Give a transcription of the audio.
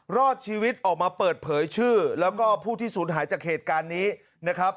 รอดชีวิตออกมาเปิดเผยชื่อแล้วก็ผู้ที่สูญหายจากเหตุการณ์นี้นะครับ